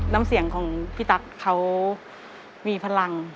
น้ำเสียงของพี่ตั๊กเขามีพลัง